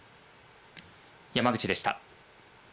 山口でした。